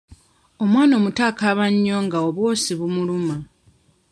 Omwana omuto akaaba nnyo nga obwosi bumuluma.